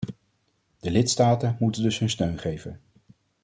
De lidstaten moeten dus hun steun geven.